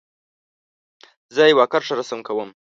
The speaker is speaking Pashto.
زه یو کرښه رسم کوم.